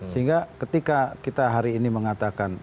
sehingga ketika kita hari ini mengatakan